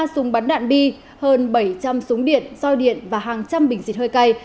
chín mươi ba súng bắn đạn bi hơn bảy trăm linh súng điện soi điện và hàng trăm bình xịt hơi cây